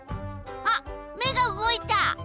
あっ目が動いた！